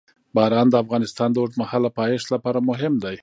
باران د افغانستان د اوږدمهاله پایښت لپاره مهم دی.